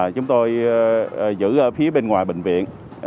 chúng tôi giữ ở phía bên ngoài bệnh viện